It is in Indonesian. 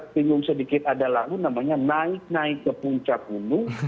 bingung sedikit ada lalu namanya naik naik ke puncak gunung